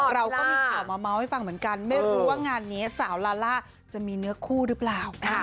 เราก็มีข่าวมาเมาส์ให้ฟังเหมือนกันไม่รู้ว่างานนี้สาวลาล่าจะมีเนื้อคู่หรือเปล่า